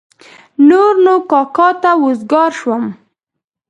نور نو کاکا ته وزګار شوم.